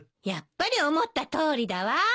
やっぱり思ったとおりだわ。